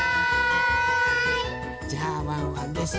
じゃあワンワンですね。